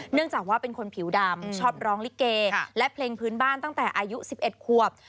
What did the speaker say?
เนื่องจากว่าเป็นคนผิวดำชอบร้องลิเกและเพลงพื้นบ้านตั้งแต่อายุ๑๑ควบ